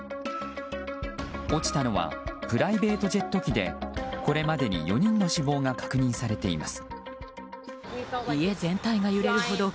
落ちたのはプライベートジェット機でこれまでに４人に死亡が確認されています。